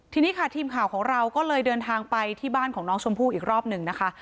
ทีนี้ค่ะทีมข่าวของเราก็เลยเดินทางไปที่บ้านของน้องชมพู่อีกรอบหนึ่งนะคะ